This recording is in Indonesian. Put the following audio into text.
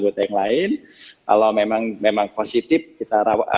terus kalau memang memang positif kita rawat